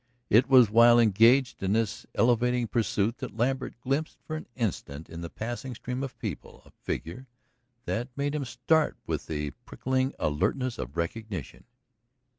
It was while engaged in this elevating pursuit that Lambert glimpsed for an instant in the passing stream of people a figure that made him start with the prickling alertness of recognition.